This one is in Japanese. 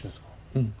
うん。